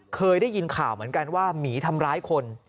เคยได้ยินข่าวเหมือนกันว่าหมีทำร้ายคน